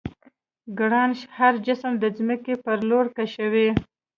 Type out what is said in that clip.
ګرانش هر جسم د ځمکې پر لور کشوي.